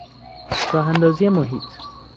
راهاندازی محیط